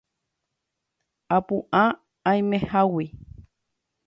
Apu'ã aimehágui